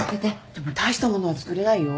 でも大した物は作れないよ。